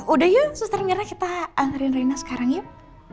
udah yuk suster mirna kita nganterin rena sekarang yuk